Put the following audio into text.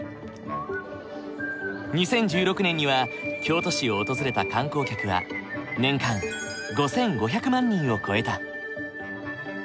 ２０１６年には京都市を訪れた観光客は年間５，５００万人を超えた。